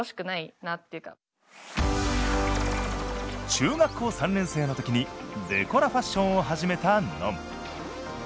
中学校３年生の時にデコラファッションを始めたのん。